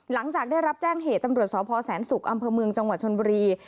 หลังจากได้รับแจ้งเหตุตำรวจสพแสนศุกร์อำเภอเมืองจังหวัดชนบุรี